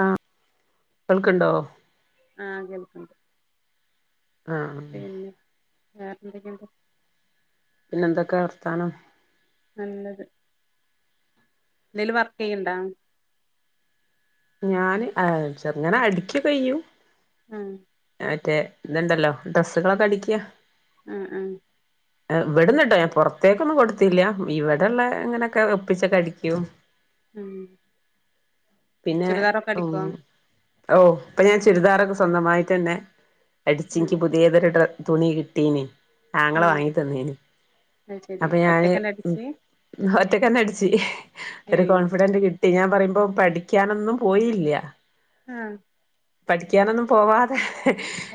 ആഹ് കേൾക്ക്ണ്ടോ ആഹ് കേൾക്കണ്ട് ആഹ് പിന്നെ വേറെ എന്തൊക്കെയുണ്ട് പിന്നെ എന്തൊക്കെ വർത്താനം നല്ലത് എന്തേല് വർക്ക് ചെയ്യണ്ട ഞാന് അങ്ങനെ അടുക്കി കയ്യു ആഹ മറ്റേ ഇതുണ്ടല്ലോ ഡ്രസ്സുകളൊക്കെ അടിക്കുക ആഹ ഉഹ ഇവിടന്ന്ട്ടോ ഞൻ പുറത്തേക്കൊന്നും കൊടുത്തില്ല ഇവിടെള്ള ഇങ്ങനെയൊക്കെ ഒപ്പിച്ചക്കെ കടിക്കും ഉം പിന്നെ ചുരിദാറൊക്കെ ഉം അടിക്കോ ഓ ഇപ്പൊ ഞാൻ ചുരിദാറൊക്കെ സ്വന്തമായിട്ട് തന്നെ ഉം അടിച്ചെങ്കക്ക് പുതിയതൊരു ഡ തുണി കിട്ടീന് ആങ്ങളെ ഉം വാങ്ങി തന്നേന് അത് ശരി അപ്പൊ ഞാന് ഒറ്റക്കന്നെ അടിച്ച് ഒറ്റക്കന്ന അടിച്ച ഒരു ഏയ് കോൺഫിഡന്റ് കിട്ടി ഞൻ പറയുമ്പോ പഠിക്കാനൊന്നും പോയില്ല ആഹ പഠിക്കാനൊന്നും പോവാതെ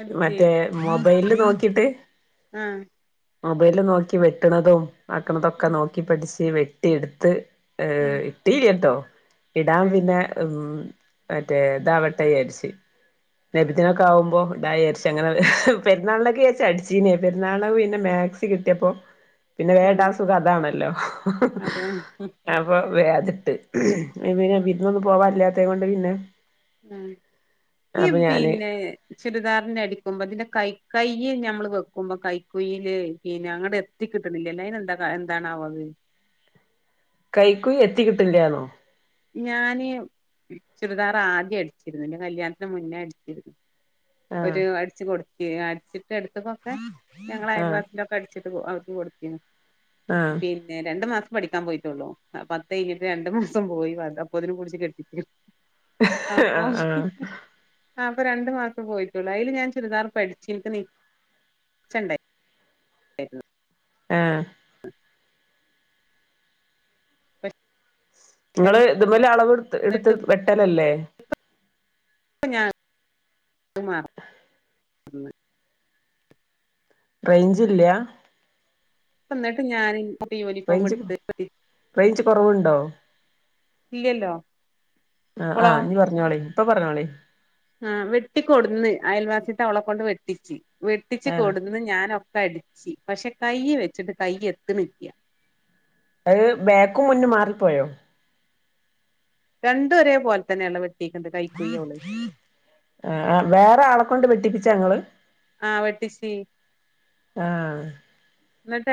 അടിച്ച് മറ്റേ മൊബൈല നോക്കിട്ട് ആഹ മൊബൈല് നോക്കി വെട്ടണതും ആക്കണതൊക്കെ ഉം നോക്കി പഠച്ച് വെട്ടി എടുത്ത് ഉം ഏഹ് ഇട്ടല കേട്ടോ ഇടാൻ അത് ശരി പിന്നെ ഉ മറ്റേ ദാവട്ടയ അരിച്ചു ലബിദനൊക്കെ ആകുമ്പോ ഉണ്ടായിരിച്ച അങ്ങനെ പെരുന്നാളൊക്കെ ചച്ച അടിച്ചീനെ പെരുന്നാള പിന്നെ ടാക്സി കിട്ടിയപ്പോ പിന്നെ ഉം മേടാൻ സുഖ അതാണല്ലോ അതെ അപ്പൊ മേഅത്ട്ട് പി വിരുന്നൊന്നും പോവാല്ലാത്ത കൊണ്ട് പിന്നെ ഉ അപ്പൊ ഞാന് പിന്നെ ചുരിദാറിന അടിക്കുമ്പോ അതിന്റെ കൈ കൈ്യ ഞമ്മള് വെക്കുമ്പോ കൈക്കുയില് പിന്നെ അങ്ങടെ എത്തിക്കിട്ടണില്ലല്ലൊ ഐന് എന്താ എന്താണവാത് കൈക്കുഴി എത്തി കിട്ട്ല്ലാന്നോ ഞാന് ചുറുദാറ ആദ്യം അടിച്ചിരുന്നു കല്യാണത്തിന് മുന്നേ അടിച്ചിരുന്നു ആഹ് ഒരു അടിച്ചു കൊടുക്ക അടിച്ചിട്ട് എടുത്ത്കൊക്കെ ഞങ്ങൾ ആഹ് അയൽവാസി കൊക്കെ അടിച്ചിട്ട് ത്തിന്നു ആഹ് പിന്നെ രണ്ടു മാസ പഠിക്കാൻ പോയിട്ടുള്ളൂ പത്ത് കഴഞ്ഞിട്ട് രണ്ടു മാസം പോയി അപ്പൊ അതിനെ കുടിച്ച് കെട്ടിട്ട് ആ ആ ആ അപ്പൊ രണ്ട് മാസം പോയിട്ടൊള്ളു അതില് ഞാൻ ചുരിദാർ പഠിച്ചിനി അയിൽഇൻക്ക് നിച്ചണ്ടേ ശ ആ പക്ഷെ നിങ്ങള് ഇതുപൊലെ അളവ്ട്ത്ത് എന്നിട്ട് എടുത്ത് വെട്ടലല്ലേ ഇപ്പ ഞാൻ ഉ റയ്ഞ്ചില്ല എന്നിട്ട് ഞാൻ യൂണിഫോം റൈഞ്ച് എടുത്ത് റൈഞ്ച് കൊറവ്ണ്ടോ ഇല്ലല്ലോ ആ് ഇപ്പളോ ആഹ് നീ പറഞ്ഞോളിഇപ്പൊ പറഞ്ഞോളി ആ വെട്ടിക്കൊടുന്ന് അയൽവാസിത്തെ അവളെ കൊണ്ട് വെട്ടിച്ച് വെട്ടിച്ച് ആഹ് കൊടുന്ന് ഞാൻ ഒ കടിച്ച പക്ഷെ കൈ വെച്ചിട്ട് കൈ എത്ത്ണ്ല്ല അത് ബേക്കും മുന്നും മാറിപ്പോയോ രണ്ടുഒരെ പോലെ തന്നെയ വെട്ട ആ വേറെ ആളെ കൊണ്ട് വെട്ടിപ്പിച്ചാ ങ്ങള് ആ വട്ടിച്ചി ആ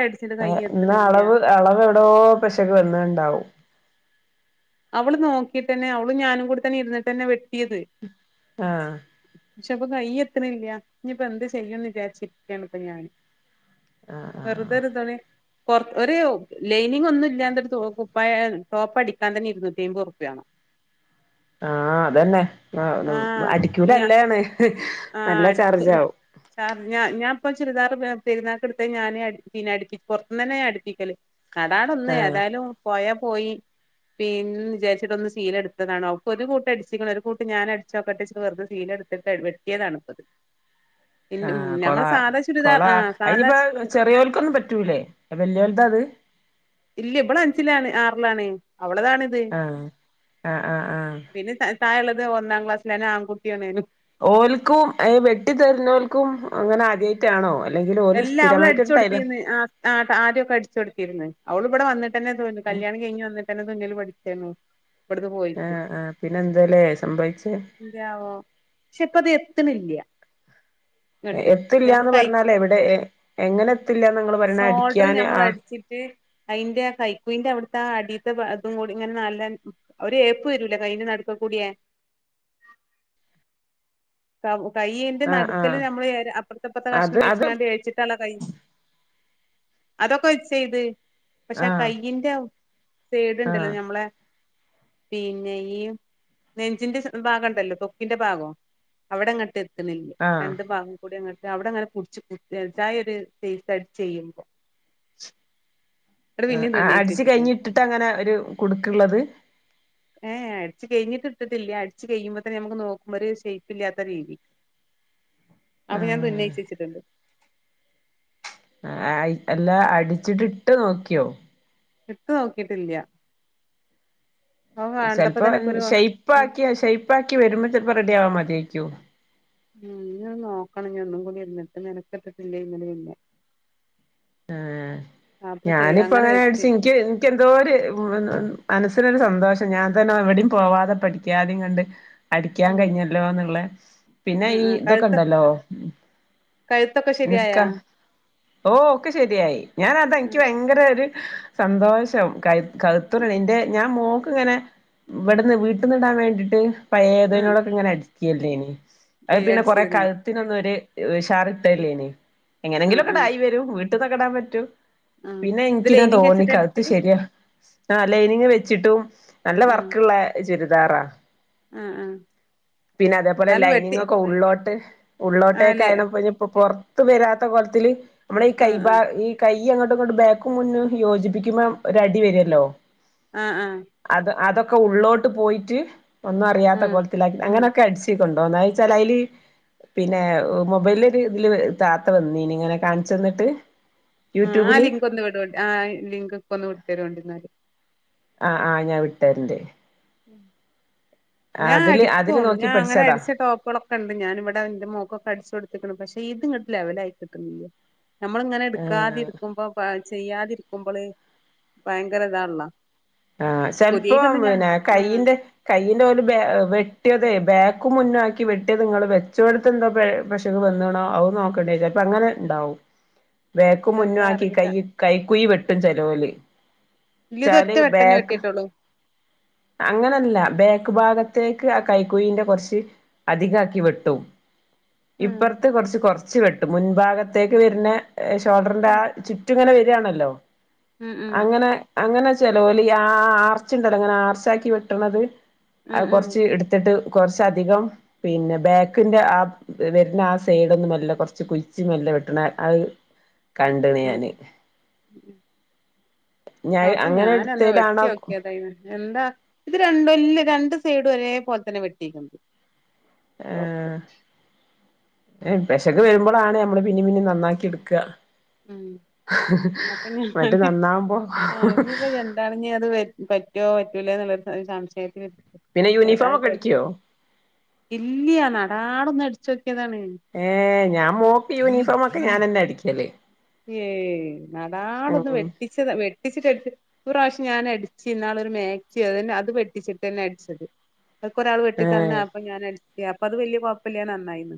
അടിച്ചിട്ട് കൈ ഇ എത്തണില്ല അളവ് അളവ് എവിടോ പെശക് വന്നി ണ്ടാവും അവള് നോക്കിട്ടെന്നെ അവളും ഞാനും കൂടെ തന്നെ ഇുന്നിട്ടന്നെ വി ആ പക്ഷെ പ്പൊ കൈ എത്ത്ണില്ല്യ ഇനിപ്പൊ എന്ത് ചെയ്യന്ന് വിചാരിച്ചിരിക്കാണ് ഇപ്പ ഞാന് ആഹ് ആഹ് വെർതൊരു [unintelligible] ഒരു ലൈനിങ് ഒന്നും ഇല്ലാണ്ടെരു കുപ്പായ ടോപ്പ് അടി എൻ തന്നെ ഇരുന്നൂറ്റി അമ്പത് റുപ്യ ആണ് ആഹ് അതന്നെ ആഹ് അടിക്കൂല ഞാ അല്ലാണ്. ആഹ് അടിക്കുംല്ല സാ ഞ ഞാൻപ്പ ചുരിദാറ് പെര്ന്നാക്ക്ട്ത്ത ഞാന് അട്ച്ചീനി. അട്പ്പി പൊർത്ത് തന്നെ ഞാ അട്പ്പിക്കല്. നടാട ഒന്ന് ആഹ് ഏതായാലും പോയ പോയി പിൻ വിചാര്ച്ച്ട്ട് ഒന്ന് സീലട്ത്തതാണ്. അവക്ക് ഒരു കൂട്ട അട്ച്ചിക്ക്ണ്. ഒരു കൂട്ട ഞാന് അട്ച്ചോക്കെട്ടച്ചി വെറ്തെ സീല വരുത്തിയതാണ് ഇപ്പ അത് ആഹ് കൊളാ കൊളാ ആഹ് സാധാ അയ്ഞ്ഞിപ്പ ചെറിയോൽക്കൊന്നും പറ്റൂലേ വല്യോൽതാ അത് ഇല്ല ഇബള് അഞ്ചിലാണ് ആർലാണ്. അവള്താണിത് ആഹ് ആഹ് ആഹ് ആഹ് പിന്നെ തായള്ളത് ഒന്നാം ക്ലാസ്സ്ലാ അയെന്നെ ആൺകുട്ട്യാണ്. ഓൽക്കും അ വെട്ടി തര്ഞ്ഞോൽക്കും അങ്ങനെ ആദ്യയ്ട്ടാണോ? എല്ലാ അവള് അട്ച്ചു കൊട്ത്തീന്ന് ആ ആ ആദ്യക്കെ അട്ച്ചൊട്ത്തിര്ന്ന് അവള് ഇവടെ വന്ന തന്നെ തോന്ന കല്യാണം കഴിഞ്ഞ് വന്നി തന്നെ തുന്നൽ പഠിച്ചിരുന്നു ഇവ്ട്ന്ന് പോയിട്ട് ആഹ് ആഹ് പിന്നെ എന്താലേ സംഭവിച്ചേ ല്ലാവോ ശേ പ്പത് എ ക്കയില്ല്യ എത്ത്ല്ലാന്ന് പർഞ്ഞാലേ ഇവടെ സോട്റ് അടിക്കാന് ഞമ്മൾ ആഹ് അട്ച്ചിട്ട് അയ്ന്റെ കൈക്കുഴിന്റെ അവി ട്ത്താടി അതും കൂടി ഇങ്ങനെ നല്ല ഒര് ഏപ്പ് വരൂല കഴിന്റെ നടുക്ക കൂടിയേ സ കൈയ്യ്ന്റെ ആഹ് നട്ക്കല് ആഹ് നമ്മള് അപ്പർത്തെ പ്പർത്തെ അത് കഷ്ണം അത് വെച്ച്ങ്ങാണ്ട ഏച്ച്ട്ടാള്ള കൈ അതൊക്കെ വെച്ച് ചെയ്ത്. പശേ ആ ആഹ് കയ്യിന്റെ സേട്ണ്ടല്ലോ ആഹ് ഞമ്മളെ പിന്നെ നെഞ്ചിന്റെ ഭാഗം ണ്ടല്ലോ തൊക്കിന്റെ ഭാഗോ അവിടെങ്ങട്ട് ന്നില്ല ആഹ് രണ്ട് ഭാഗം കൂടി അങ്ങട്ട് അവ്ടെ അങ്ങനെ പുട്ച്ചു [unintelligible] ചെയ്യുമ്പോ ഇങ്ങട്ട് പിന്നേം ആഹ് തുന്നയിച്ച് അട്ച്ച് വെച്ച്ക്ക്ണ് കഴിഞ്ഞിട്ടിട്ട് അങ്ങനെ ഒരു കുട്ക്ക്ള്ളത്? ഏ അട്ച്ചു കഴിഞ്ഞിട്ട് ഇട്ട്ട്ട് ല്ല. അടിച്ച് കയ്യുമ്പൊ തന്നെ നമുക്ക് നോക്കുമ്പോ ഒരു ഷയിപ്പ്ല്ലാത്ത രീതി അപ്പൊ ഞാൻ ആഹ് തുന്നയിച്ചച്ച്ട്ട് ണ്ട് ആഹ് അല്ലാ അട്ച്ചിട്ടിട്ട് നോക്കിയോ ഇട്ടു നോക്കിട്ടില്ല്യ ചിലപ്പോ ഷെയ്പാക്കിയ ഷെയ്പ്പക്കി വരുമ്പോ ചിലപ്പോ റെഡി ആവാ മതിക്കും ഉം ഇനിഒന്ന് നോക്കണം ഇനി ഒന്നും കൂടി ഇരുന്നിട്ട് മേനക്കെട്ടിട്ടില്ലേ ഇന്നല ഇന്നു ആഹ് ഞാനിപ്പോ അങ്ങനെ ങ്ങനെ വെച്ച് ൻക്കി ന്ക്ക് എന്തോ ഒരുന നൊരു സന്തോഷം ഞാൻ തന്നെ എവിടയും പോവാതെ പഠിക്കാതെയും കണ്ട് അടിക്കാൻ ഉം കഴിഞ്ഞല്ലോ നിള്ളെ പിന്നെ ആഹ് ഈ ആഹ് ഇതൊക്കെ കഴുത്ത് ഉണ്ടല്ലോ കഴുത്തൊക്കെ ശരിയായാ നിസ്ക ഓ ഒക്കെ ശരിയായി ഞാനത എനിക്ക് ആഹ് ഭയങ്കര ഒരു സന്തോഷം ക ആഹ് കഴുത്തൂനിന്റെ ഞാൻ മോക്ക് ഇങ്ങനെ ഇവിടുന്ന് വീട്ടിൽന്ന്ടാൻ വേണ്ടീട്ട് പയേ ആഹ് തുണികൾ ആഹ് ഓക്കെ ഇങ്ങനെ അടുക്കല്ലേ അത് ഏഹ് പിന്നെ കൊറെ അടിച്ചിരുന്നേ കഴുത്തിനൊന്നൊര് ടാറിട്ടല്ലേനെ എങ്ങനെങ്കിലും ആഹ് ആഹ് ഒക്കെഇതായി വരും വീട്ടന്ന കെടാൻ പറ്റൂ ആഹ് പിന്നെ ഇത് എനിക്കിതാ ലൈനിങ് തോന്നി വെച്ചിട്ട് കഴ്ത്ത് അടിച്ച് ശരിയാ ആ ലൈനിങ് വെച്ചിട്ടും നല്ല ആഹ് വർക്കുള്ള ചുരിദാറാ ആഹ് ആഹ് പിന്നെ അതേപോലെ എന്നാലും ലൈനിങ്ങ് വെട്ടി ഒക്കെ ഉള്ളോട്ട് ആഹ് ഉള്ളോട്ടൊക്കെ ലെ ആയണ പൊ വരാത്ത കൊലത്ത്ൽ നമ്മളെ ഈ കൈ ആഹ് ഭ ആഹ് ഇ കൈ ഈ അങ്ങോട്ടും ഇങ്ങോട്ട്ബേക്കും മുന്നും യോജിപ്പിക്കുമ്പോ ഒരടി വരല്ലോ ആ ആ ഉള്ളോട്ട് പോയിട്ട് ഒന്നും അറിയാത്ത ആഹ് കൊലത്തിലാക്കി അങ്ങനെയൊക്കെ അടിച്ചുകൊണ്ടൊന് അയില് വെച്ചാൽഅയ്ല് പിന്നെ മൊബൈല് ഇതില് ഒരുതാത്ത വന്നീനി ഇങ്ങനെ കാണിച്ചു തന്നിട്ട് ആ ആ ലിങ്ക് ഒന്ന് വി ടൊ ആ ലിങ്ക് ഒക്കഒന്ന് വിട്ട്ത്തരേണ്ടി ന്നാൽ ആ ആഹ് ഞാൻ വിട്ടരട് ഞാൻ അതില് അടിക്കും നോക്കി ഞാൻ അങ്ങനെ പഠിച്ചതാ അടിച്ച ടോപ്പുകളൊക്കെ ഉണ്ട്ഞൻ ഇവിടെ എന്റെമോക്കൊക്കെഅടിച്ച കൊടുത്തിക്ക്ണ് പക്ഷെ ഇത്ങ്ങട്ട്ലെവലആയിട്ട്ല്ല നമ്മള ങ്ങനെ എടുക്കാതെ ഏഹ് ഇരിക്കുമ്പോ ചെയ്യാതിരിക്കുമ്പോള് ഭയങ്കര ഇതാണെല്ലൊ ആ ചെലപ്പോ പിന്ന ആഹ് കൈയിന്റെ കൈയിന്റെ ഒരു വെട്ടിയതെ ബേക്ക് മുന്നാക്കി വെട്ടിയത് ഇങ്ങളൾവെച്ചെടുത്ത് എന്തോ പേ പെശക് വന്നണോ അ നോക്കേണ്ടി ഇപ്പ അങ്ങനെ ണ്ടാവും ഇനി വേക്കമ്മും മുന്നും എന്താ ആക്കി അറിയില്ല കൈ കൈക്കുയി വെട്ടും ചെലോല് ഇല്ലത് ഒറ്റവെ ബേക്ക് അങ്ങനല്ല ബേക്ക് ഭാഗത്തേക്ക് കൈക്കുഴിന്റ കുറച്ച് അധികാ ക്കി വെട്ടു ഉം ഇപ്പുറത്ത് കുറച്ച് കുറ വച്ച് വെട്ടു മുൻഭാഗത്തേക്ക് വരുന്ന ഷോൾഡറിന്റെ ഉം ആ ചുറ്റും ങ്ങനെ വരാണല്ലോ ഉം അങ്ങനെ അങ്ങനെ ചെലൊല് ആഹ് ആർച്ച് ഉണ്ടല്ലോ അങ്ങനെ ആർച്ചാക്കി വെട്ട്ണത് ഉം ഉം അത് കൊർച്ച് ഇട്ത്തിട്ട് കുറച്ചധികം പിന്നെ ബാക്കിന്റെ ആഹ് വെരുന്ന ആഹ് സൈഡൊന്നു മെല്ലെ കുറച്ച് കുച്ച്മെല്ലെ കെട്ട്ണ അത് [inaudible] കണ്ട്ണ് ഉം ഞാന് ഉം ഞൻ അങ്ങനെടു ന്ന് വെട്ടി വോക്കിയതായി എന്താ ഇത് രണ്ടും ഇല്ല രണ്ട് സൈഡ് ഒരേ, പോലെ, തന്നെ, വെട്ടിക്കുന്നത് ഓപ്പ പെശക്കെ, വരുമ്പോളാണ്, നമ്മള്, പിന്നും, പിന്നും, നന്നാക്കി, എടുക്കുക ഉം അപ്പംംഞാ മറ്റേ നന്നാവുമ്പോ ആഹ് ഇനിയിപ്പ, എന്താണ, ഇ, അത് പറ്റോ, പറ്റൂലേ, നില പിന്നെ യൂണിഫോം ഒക്കെ സംശയത്തിതായാലും അടിക്കുവോ ഇല്യ നടാ നട ഒട്ച്ച ഏഹ് ഞാൻ മോക്കി യൂണിഫോമ ഒക്കെ ഞാൻന്നെ അടിക്കല് ഏഹ് നടാടൊന്ന് ഉം വെട്ടിച്ച, വെട്ടിച്ചിട്ട, എടുത്ത്വശ്യ ഞാൻ, അടിച്ച്, ഇന്നാളൊരു, മാക്സി, അത് പെട്ടിച്ചിട്ട്, തന്നെ, അടിച്ചത് അക്ക, ഒരാൾ വെട്ടി, തന്ന, ഏ അപ്പൊ, ഞാൻ, അടിച്ച, അപ്പൊ, അത്, വലിയ, കുഴപ്പല്ല, നന്നായിന്ന്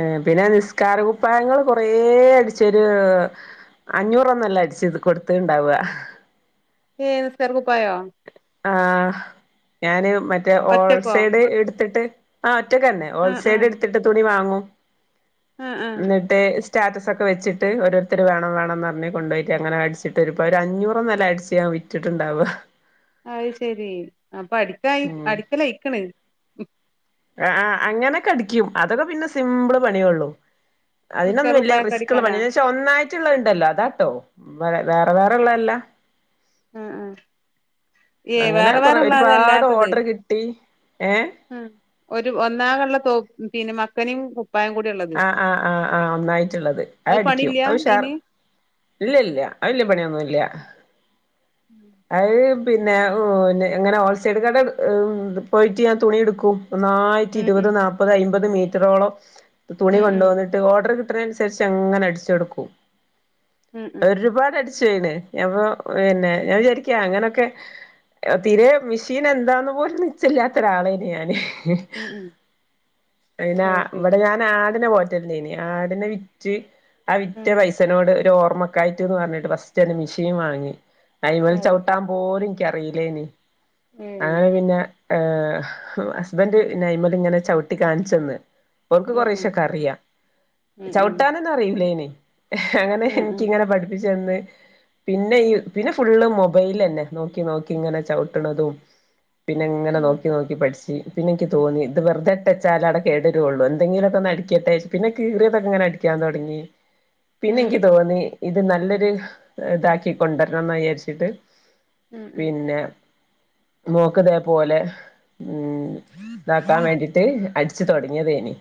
ഏർ, പിന്നെ, നിസ്കാാര, കുപ്പായങ്ങള്ൾ, കൊറെ, അടിച്ചൊരു അഞ്ഞൂറൊന്നല്ല, അടിച്ച്, ഇത്, കൊടുത്ത ഇണ്ടാവവാ ഏ, സെർക്കപ്പായോ ആഹ് ഞാന്, മറ്റേ, ഒറ്റക്കോ ഓൾസൈഡ്, എടുത്തിട്ട്, ആഹ് ഒറ്റക്കന്നെ, ആഹ് ഓൾസൈഡ്, ആഹ് എടുത്തിട്ട്, തുണി, വാങ്ങൂ ആഹ് ആഹ് ന്നിട്ട് സ്റ്റാറ്റസ്, ഒക്കെ, വെച്ച്ട്ട്, ഓോരുത്തരു, വേണംന്ന്, കൊണ്ട, പോയിട്ട്, അനെ, അടിച്ചിട്ട്, ഇൾ, ഒരു, അൂറ്ന്നില, അടിച്ണ്ടാവും വിറ്റിട്ടുണ്ടാവ അത്, ശെരി, അപ്പൊ, അടി ഉം അടിക്കലയിക്കണ് ആഹ് അങ്ങനെക്കെ, അടിക്കും, അതൊക്കെ, പിന്നെ, സിമ്പിള്, പണിയൊള്ളു നിസ്കാര അതിനൊന്നും വല്ല്യ കുപ്പായൊക്കെ റിസ്ക്കുള്ള അടിക്കാനാ പണിയെന്നുവച്ചാ ഒന്നായിട്ടുള്ളതുണ്ടല്ലോ അതാട്ടോ വെ വെറെ വെറെള്ളതല്ലാ ആഹ് ആഹ് ഏഹ് അങ്ങനെ വേറെ കൊറെ ഒരുപാട് വേറെള്ളതല്ലാത്തത് ഓർഡർ കിട്ടി ഏ ആഹ് ഒരു ഒന്നാകള്ള തോ പിന്നെ മക്കനെയും ആഹ് ആഹ് ആഹ് ആഹ് ഒന്നായിട്ടുള്ളത് അത് അടിക്കും പണില്ല അത് ഉഷാറ് അയിന് ഇല്ല ഇല്ല വലിയ പണിയൊന്നുംഇല്ല ഉം പിന്നെ എങ്ങനെ ഹോൾസെയിൽ കടയില് പോയിട്ട് ഞാൻ തുണി എടുക്കും ഒന്നായിട്ട് ഉം ഇരുപത് ഉം നാല്പ്പത് അയ്മ്പത് മീറ്ററോളം തുണി ഉം കൊണ്ട് വന്നിട്ട് ഓർഡർ കിട്ടുന്നതിനനുസരിച്ച് അങ്ങനെ അടിച്ച് കൊടുക്കും ഉം ഉം ഒരുപാട് അടിച്ചീന്ന് അപ്പോ പിന്നെ ഞാൻ ശരിക്കും അങ്ങനെ ക്കെ തീരെ മെഷീൻ എന്താന്ന് പോലും നിശ്ചയമില്ലാത്ത ഒരാളായിന് ഞാൻ ഇഹ് ഹ് ഉം ഉം ഉം അത് [unintelligible] ഇവിടെ ശരി ഞാൻ ആടിനെ പോറ്റൽണ്ടയിനിം ആടിനെ വിറ്റ് ആ വിറ്റ ഉം പൈസനോട് ഒരു ഓ ഞമ്മക്കായിറ്റ്ന്ന് പറഞ്ഞിട്ട് ഫസ്റ്റ് ഒരു മിഷീൻ വാങ്ങി അയിന്മല് അത് ചവ്ട്ടാൻ ശരി പോലും ഇൻ ക്കറിയിലെയിനിം അങ്ങനെ പിന്നെ ഏഹ് ഹസ്ബൻഡ് പിന്നെ അയിന്മേല് ഇങ്ങനെ ചവിട്ടി കാണിച്ചന്ന് ഇപ്പോ ഉം ഉം കൊറേശെയെക്കെ അറിയാ ഉം ഉം ചവിട്ടാനൊന്നും അറിയില്ലായിന്ന് അങ്ങനെ ഉം ഉം എനിക്കിങ്ങനെ പഠിപ്പി ച്ച് തന്ന് പിന്നെ ഉം ഉം പിന്നെഫുള്ള് മൊ മൊബൈയിലന്നെ നോക്കി നോക്കി ഇങ്ങനെ ചവിട്ട്ണതും പിന്നെ ഇങ്ങനെ നോക്കി നോക്കി പഠിച്ച് പിന്നെനിക്ക് തോന്നി ഇത് വെറുതെഇട്ടേച്ചാലവിടെ കേടു വരുവെള്ളുവന്ന് എന്തെങ്കിലും ഒന്ന് അടിക്കട്ടെ പിന്നെ കീറിയതൊക്കെങ്ങനെ അടിക്കാൻ തൊടങ്ങി ഉം പിന്നെ ഉം എനിക്ക് തോന്നി ഇത് നല്ലൊരു ഇതാക്കി കൊണ്ടുവരണമെന്ന് വിചാരിച്ചിട്ട് ഉം ഉം പിന്നെ മോക്ക് ഇതേപോലെ ഉം ഇതാക്കാൻ വേണ്ടിട്ട് അടിച്ചു തുടങ്ങിയതേനി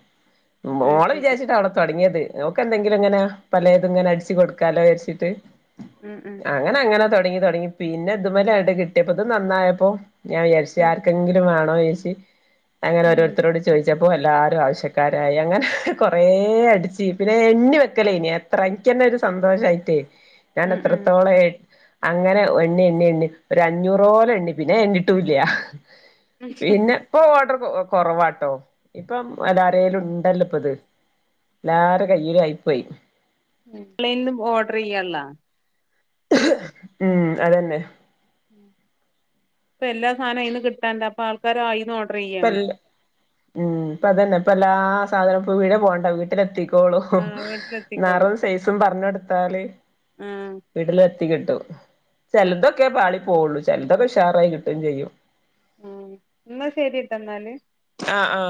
അത് മോളെ ശരി വിചാരിച്ചിട്ടാ അവിടെ തുടങ്ങിയത് ഓക്കെന്തെങ്കിലും ഇങ്ങനെ പലേത് ഇങ്ങനെ അടിച്ചു കൊടുക്കാലോ വിചാരിച്ചിട്ട് ഉം ഉം അങ്ങനെ അങ്ങനെ തൊടങ്ങി തൊടങ്ങി പിന്നെ ഇതുമേലായിട്ട് കിട്ടിയപ്പോ ഇത് നന്നായപ്പോ ഞാൻ വിചാരിച്ച് ഉം ആർക്കെങ്കിലും വേണോ വിചാരിച്ച് അങ്ങനെ ഉം ഓരോരുത്തരോട് ചോദിച്ചപ്പോ എല്ലാവരും ആവശ്യ ക്കാരായി അങ്ങനെ കൊറെ അടിച്ച് പിന്നെ എണ്ണി വെക്കലേ ഇനി എത്ര എനക്കന്നെ ഒരു സന്തോഷായിട്ടേ ഞാൻ ഉം ഉം എത്രത്തോള അങ്ങനെ എണ്ണി എണ്ണി എണ്ണി ഒരു അഞ്ഞൂറോലം എണ്ണി പിന്നെ എണ്ണിട്ടുമില്ല പിന്നെ ഇപ്പോ ഓർഡറ് കൊ കൊറവാട്ടോ ഇപ്പം കടേല് ഉണ്ടല്ലോ ഇപ്പൊ ഇത് എല്ലാരുടയും കയ്യിൽ ആയി പോയി മം ഓൺലൈനിന്നും ഓർഡറ് ചെയ്യാള്ളോ ഉം അതന്നെ ഉം ഇപ്പോ എല്ലാ സാധനവും അയിന്ന് കിട്ടാനുണ്ട് അപ്പോ ആൾക്കാര് അയിന്ന് ഓർ ഇപ്പോ എല്ലാ മം ഇപ്പോ അതന്നെ ഇപ്പ എല്ലാ സാധനവും ഇപ്പ എവിടേയും പോകണ്ട വീട്ടിലെത്തി ആ ക്കോളും വീട്ടിലെത്തിക്കോളും നിറവും സൈസും പറഞ്ഞ് കൊടുത്താല് ഉം ത്തികിട്ടും ചെലതൊക്കെ പാളി പോവുള്ളു ചെലതൊക്കെ ഉഷാറായി കിട്ടുകയും ചെയ്യും ഉം എന്നാ ശരിട്ടോ എന്നാല് ആ ആ